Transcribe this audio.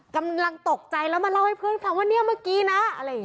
กำลังตกใจแล้วมาเล่าให้เพื่อนว่านี่เมื่อกี้นะ